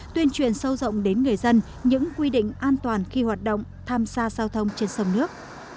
tuyên truyền sâu rộng đến người dân những quy định an toàn khi hoạt động tham gia giao thông trên sông nước